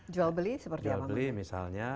jual beli seperti apa jual beli misalnya